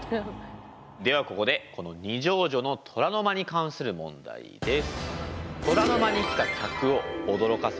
ではここでこの二条城の虎の間に関する問題です。